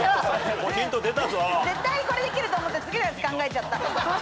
絶対これできると思って次のやつ考えちゃった。